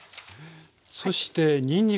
そしてにんにく。